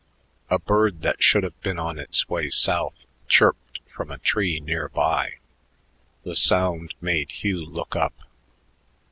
A bird that should have been on its way south chirped from a tree near by. The sound made Hugh look up.